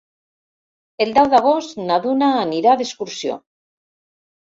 El deu d'agost na Duna anirà d'excursió.